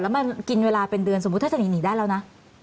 มันกินเวลาเป็นเดือนสมมุติทัศนีหนีได้แล้วนะ